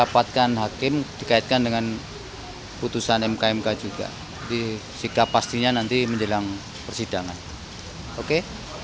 putusan mkmk juga jadi sikap pastinya nanti menjelang persidangan oke